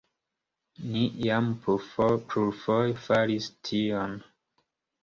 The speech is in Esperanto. Ni jam plurfoje faris tion.